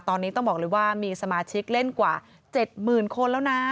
ตอนนี้ต้องบอกเลยว่ามีสมาชิกเล่นกว่า๗๐๐คนแล้วนะ